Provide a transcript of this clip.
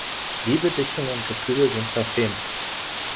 Liebe, Dichtung und Gefühle sind verfemt.